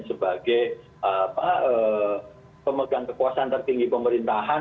sebagai pemegang kekuasaan tertinggi pemerintahan